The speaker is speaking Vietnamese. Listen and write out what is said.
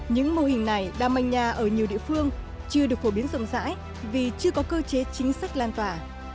những mô hình này đang manh nhà ở nhiều địa phương chưa được phổ biến rộng rãi vì chưa có cơ chế chính sách lan tỏa